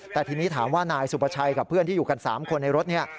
แต่ทีนี้ถามว่านายสุประชัยกับเพื่อนที่อยู่กัน๓คนในรถเนี่ย